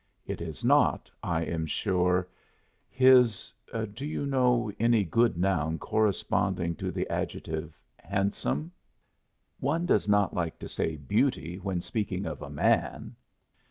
It is not, I am sure, his do you know any good noun corresponding to the adjective "handsome"? One does not like to say "beauty" when speaking of a man.